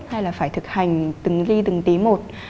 hay là phải thực hành từng ghi từng tí một